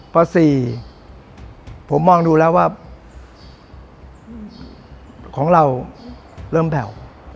ป๔ผมมองดูแล้วว่าของเราเริ่มแผ่ว